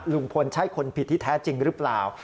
ลุงพลใช่คนผิดที่แท้จริงหรือเปล่า